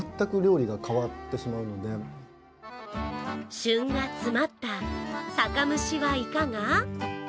旬が詰まった酒蒸しはいかが？